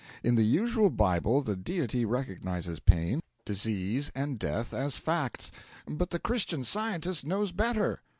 In the usual Bible the Deity recognises pain, disease, and death as facts, but the Christian Scientist knows better.